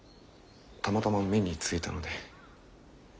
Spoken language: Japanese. たまたま目についたので。